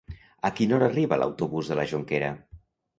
A quina hora arriba l'autobús de la Jonquera?